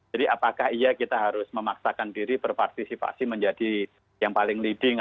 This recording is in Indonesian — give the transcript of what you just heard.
jadi apakah iya kita harus memaksakan diri berpartisipasi menjadi yang paling leading